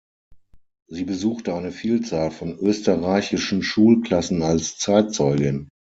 Sie besuchte eine Vielzahl von österreichischen Schulklassen als Zeitzeugin.